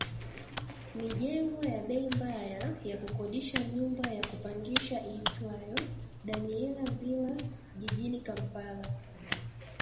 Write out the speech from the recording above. mijengo ya bei mbaya ya kukodisha nyumba ya kupangisha iitwayo Daniella Villas jijini Kampala